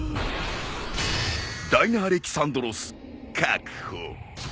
ダイナアレキサンドロス確保。